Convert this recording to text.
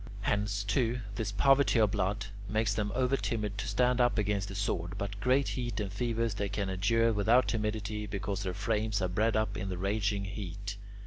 Hence, too, this poverty of blood makes them over timid to stand up against the sword, but great heat and fevers they can endure without timidity, because their frames are bred up in the raging heat.